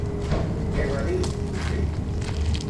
Què va dir l'ocell?